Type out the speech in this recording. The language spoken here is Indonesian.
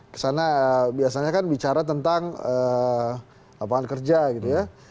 kesana biasanya kan bicara tentang lapangan kerja gitu ya